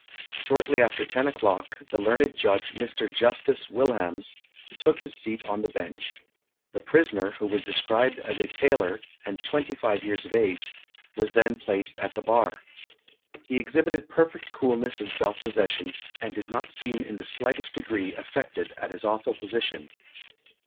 Shortly after ten o'clock the learned judge, Mr Justice Wilhams, took his seat on the bench. The prisoner, who was described as a tailor, and 25 years of age, was then placed at the bar. He exhibited perfect coolness and self possession, and did not seem in the slightest degree affected at his awful position.